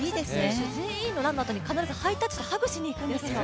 全員のランのあと、ハイタッチとハグをしにいくんですよ。